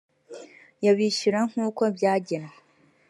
y abishyura nk uko byagenwe